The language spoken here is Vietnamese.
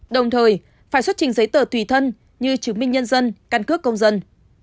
đồng thời phải xuất trình giấy tờ tùy thân như chứng minh nhân dân căn cước công dân